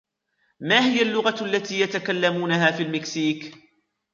ما هي اللغة التي يتكلمونها في المكسيك؟